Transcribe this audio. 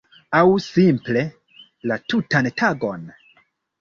Aŭ simple la tutan tagon?